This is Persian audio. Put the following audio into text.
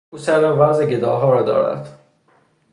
او سر و وضع گداها را دارد.